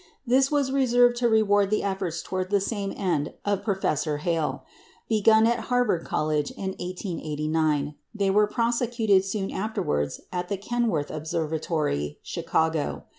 This was reserved to reward the efforts towards the same end of Professor Hale. Begun at Harvard College in 1889, they were prosecuted soon afterwards at the Kenwood Observatory, Chicago.